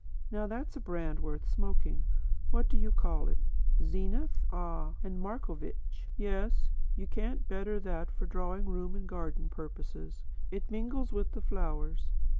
Now that's a brand worth smoking. What do you call it 'Zenith'? Ah, and 'Marcovitch.' Yes; you can't better that for drawing room and garden purposes. It mingles with the flowers.